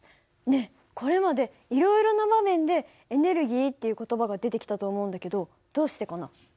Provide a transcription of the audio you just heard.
ねえこれまでいろいろな場面でエネルギーっていう言葉が出てきたと思うんだけどどうしてかな？